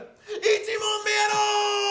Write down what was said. １問目やろ？